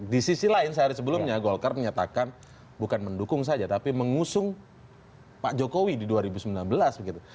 di sisi lain sehari sebelumnya golkar menyatakan bukan mendukung saja tapi mengusung pak jokowi di dua ribu sembilan belas begitu